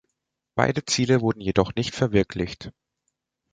Beide Ziele wurden jedoch nicht verwirklicht.